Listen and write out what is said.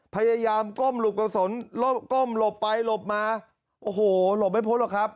พยายามก้มหลุกกระสุนก้มหลบไปหลบมาโอ้โหหลบไม่พ้นหรอกครับ